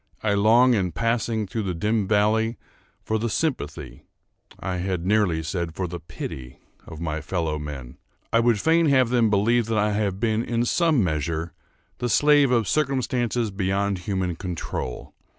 I long, in passing through the dim valley, for the sympathy—I had nearly said for the pity—of my fellow men. I would fain have them believe that I have been, in some measure, the slave of circumstances beyond human control.